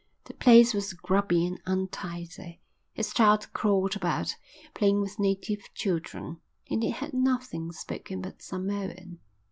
The place was grubby and untidy. His child crawled about, playing with native children, and it heard nothing spoken but Samoan.